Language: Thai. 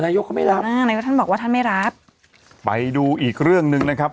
ยกเขาไม่รับมากนายกท่านบอกว่าท่านไม่รับไปดูอีกเรื่องหนึ่งนะครับ